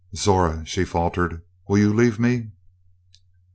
"Zora," she faltered, "will you leave me?"